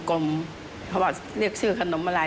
เขาบอกเรียกชื่อขนมอะไร